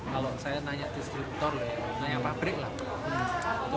kalau saya nanya distributor nanya pabrik lah